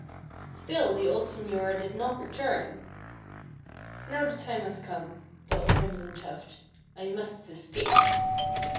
Still the old señora did not return! "Now the time has come," thought Crimson Tuft, "I must escape."